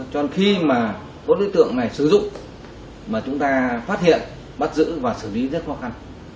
cho nên khi mà các đối tượng này sử dụng mà chúng ta phát hiện bắt giữ và xử lý rất khó khăn